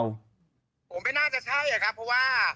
ผมไม่น่าจะใช่อะครับเพราะว่า